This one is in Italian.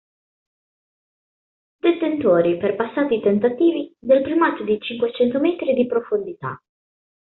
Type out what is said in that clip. Detentori, per passati tentativi, del primato di cinquecento metri di profondità.